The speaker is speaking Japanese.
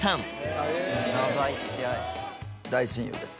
大親友です